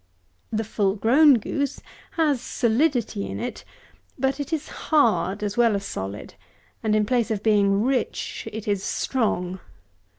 The full grown goose has solidity in it; but it is hard, as well as solid; and in place of being rich, it is strong.